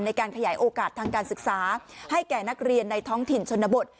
ในการขยายโอกาสทางการศึกษาให้แก่นักเรียนในท้องถิ่นชนบท